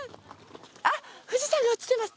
あっ富士山が映ってます。